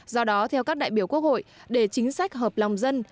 do đó theo các đại biểu quốc hội để chính sách hợp lòng dân